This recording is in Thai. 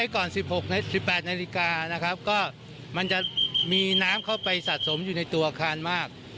ก่อน๑๖๑๘นาฬิกานะครับก็มันจะมีน้ำเข้าไปสะสมอยู่ในตัวอาคารมาก